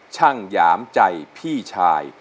ช่างหยามใจพี่ชาย